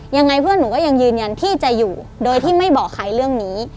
ยังไงเพื่อนหนูก็ยังยืนยันที่จะอยู่โดยที่ไม่บอกใครเรื่องนี้